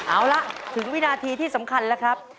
เอาละถึงวินาทีที่สำคัญแล้วครับ